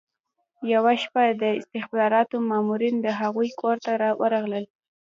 یوه شپه د استخباراتو مامورین د هغوی کور ته ورغلل